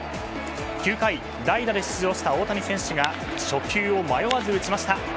９回、代打で出場した大谷選手が初球を迷わず打ちました。